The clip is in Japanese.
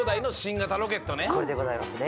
これでございますね！